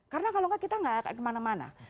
karena kalau nggak kita nggak kemana mana